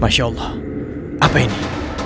masya allah apa ini